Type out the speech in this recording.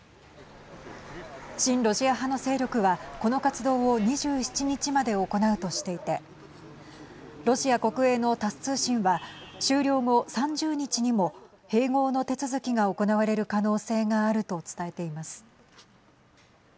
親ロシア派の勢力はこの活動を２７日まで行うとしていてロシア国営のタス通信は終了後、３０日にも併合の手続きが行われる可能性があると伝えています。